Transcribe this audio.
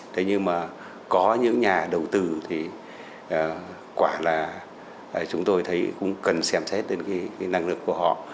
thế nhưng mà có những nhà đầu tư thì quả là chúng tôi thấy cũng cần xem xét đến cái năng lực của họ